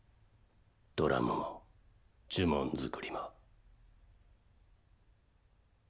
ドラムも呪文作りも。